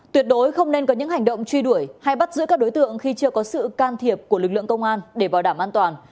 tuyệt đối không nên có những hành động truy đuổi hay bắt giữ các đối tượng khi chưa có sự can thiệp của lực lượng công an để bảo đảm an toàn